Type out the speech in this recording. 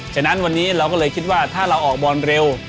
ฉะนั้นวันนี้เราก็เลยคิดว่าถ้าเราออกบอลเร็ว